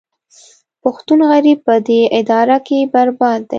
پښتون غریب په دې اداره کې برباد دی